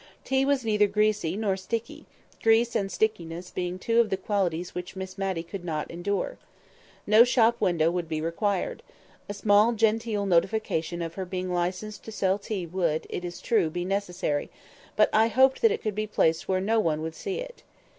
Tea was neither greasy nor sticky—grease and stickiness being two of the qualities which Miss Matty could not endure. No shop window would be required. A small, genteel notification of her being licensed to sell tea would, it is true, be necessary, but I hoped that it could be placed where no one would see it.